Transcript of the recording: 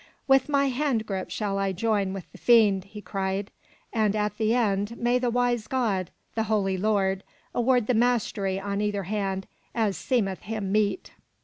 "With my hand grip shall I join with the fiend!" he cried. "And at the end may the wise God, the Holy Lord, award the mastery on either hand as seemeth him meet."